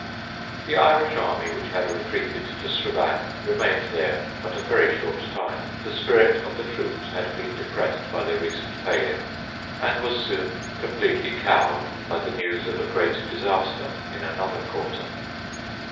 The Irish army which had retreated to Strabane remained there but a very short time. The spirit of the troops had been depressed by their recent failure, and was soon completely cowed by the news of a great disaster in another quarter.